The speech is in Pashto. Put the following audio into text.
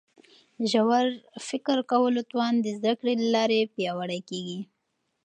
د ژور فکر کولو توان د زده کړي له لارې پیاوړی کیږي.